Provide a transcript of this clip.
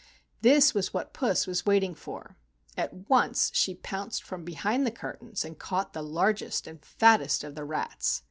This was what Puss was waiting for. At once she pounced from behind the curtains and caught the largest and fattest of the rats.